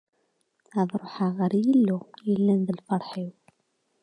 Ad ruḥeɣ ɣer Yillu yellan d lferḥ-iw.